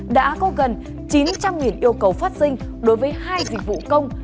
đã có gần chín trăm linh yêu cầu phát sinh đối với hai dịch vụ công